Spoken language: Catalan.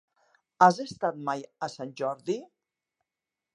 Has estat mai a Sant Jordi?